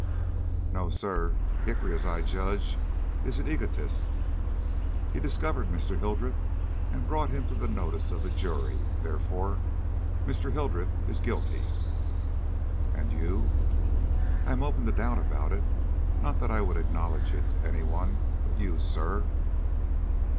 "No, sir. Hickory, as I judge, is an egotist. He discovered Mr. Hildreth and brought him to the notice of the jury, therefore Mr. Hildreth is guilty." "And you?" "I am open to doubt about it. Not that I would acknowledge it to any one but you, sir."